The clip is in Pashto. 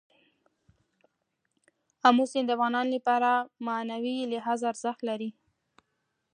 آمو سیند د افغانانو لپاره په معنوي لحاظ ارزښت لري.